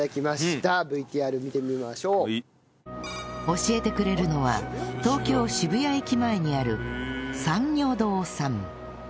教えてくれるのは東京渋谷駅前にある三漁洞さん